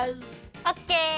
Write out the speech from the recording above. オッケー！